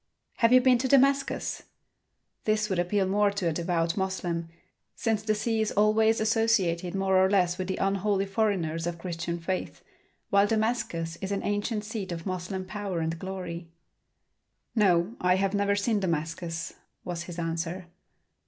"Have you been to Damascus?" This would appeal more to a devout Moslem, since the sea is always associated more or less with the unholy foreigners of Christian faith, while Damascus is an ancient seat of Moslem power and glory. "No, I have never seen Damascus," was his answer.